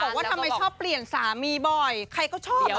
ว่าทำไมชอบเปลี่ยนสามีบ่อยใครก็ชอบ